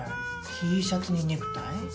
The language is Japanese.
Ｔシャツにネクタイ？